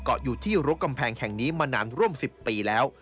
เกาะอยู่ที่รถแค่งนี้มานานร่วม๑๐ปีแล้ว